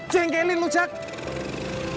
jengkelin lo jack